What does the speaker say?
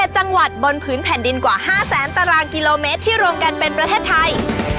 ๗จังหวัดบนพื้นแผ่นดินกว่า๕แสนตารางกิโลเมตรที่รวมกันเป็นประเทศไทย